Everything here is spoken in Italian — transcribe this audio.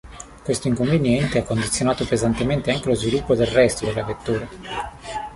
Questo inconveniente ha condizionato pesantemente anche lo sviluppo del resto della vettura.